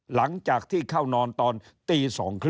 หลังจากที่เข้านอนตอนตี๒๓๐